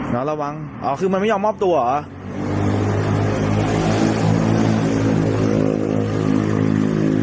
ระวังอ๋อคือมันไม่ยอมมอบตัวเหรอ